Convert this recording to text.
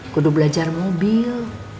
gue udah belajar mobil